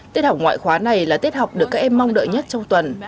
tết học ngoại khóa này là tết học được các em mong đợi nhất trong tuần